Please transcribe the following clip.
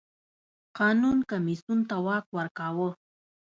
قانون کمېسیون ته واک ورکاوه.